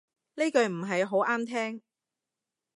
呢句唔係好啱聽